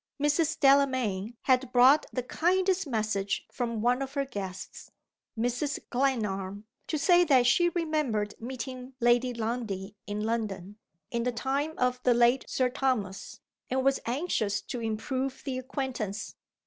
Mrs. Delamayn had brought the kindest message from one of her guests Mrs. Glenarm to say that she remembered meeting Lady Lundie in London, in the time of the late Sir Thomas, and was anxious to improve the acquaintance.